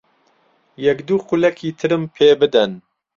یەک دوو خولەکی ترم پێ بدەن.